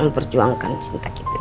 perjuangkan cinta kita